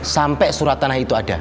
sampai surat tanah itu ada